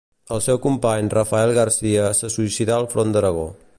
El seu company Rafael Garcia, se suïcidà al front d'Aragó.